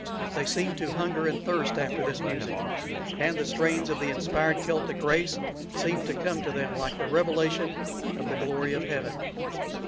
They seemed to hunger and thirst after this music, and the strains of the inspired Celtic race seemed to come to them like the revelation of the glory of heaven.